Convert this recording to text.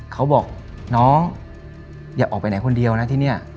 เขาบอกน้องอย่าออกไปไหนคนเดียวนะที่นี่